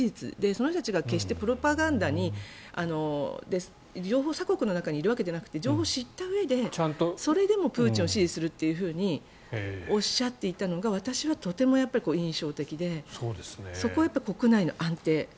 その人たちが決してプロパガンダで情報鎖国の中にいるわけじゃなくて情報を知ったうえでそれでもプーチンを支持するとおっしゃっていたのが私はとても印象的でそこは国内の安定。